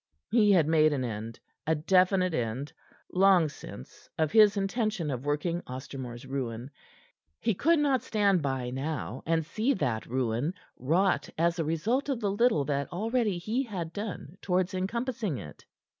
He had made an end a definite end long since of his intention of working Ostermore's ruin; he could not stand by now and see that ruin wrought as a result of the little that already he had done towards encompassing it.